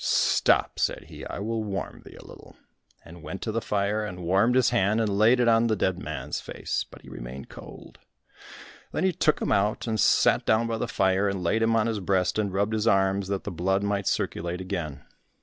"Stop," said he, "I will warm thee a little," and went to the fire and warmed his hand and laid it on the dead man's face, but he remained cold. Then he took him out, and sat down by the fire and laid him on his breast and rubbed his arms that the blood might circulate again.